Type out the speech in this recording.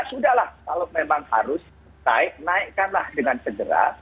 sudahlah kalau memang harus naikkanlah dengan segera